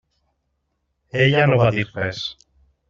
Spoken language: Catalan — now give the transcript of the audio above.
Ella no va dir res.